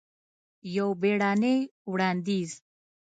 یو بیړنې وړاندیز!